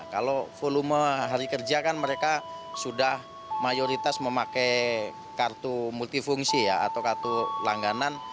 kalau volume hari kerja kan mereka sudah mayoritas memakai kartu multifungsi atau kartu langganan